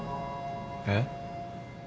えっ？